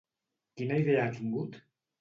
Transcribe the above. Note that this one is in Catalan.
Quina idea ha tingut?